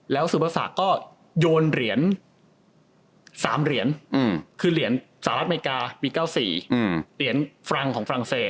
แล้วสุประศักดิ์ก็โยนเหรียญ๓เหรียญคือเหรียญสหรัฐอเมริกาปี๙๔เหรียญฟรังของฝรั่งเศส